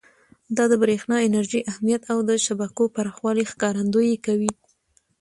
دا د برېښنا انرژۍ اهمیت او د شبکو پراخوالي ښکارندویي کوي.